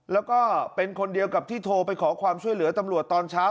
แล้วก็เป็นคนเดียวกับที่โทรไปขอความช่วยเหลือตำรวจตอนเช้า